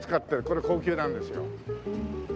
これ高級なんですよ。